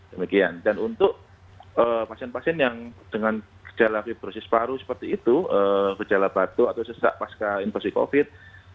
demikian dan untuk pasien pasien yang dengan gejala fibrosis paru seperti itu gejala batuk atau sesak pasca infeksi covid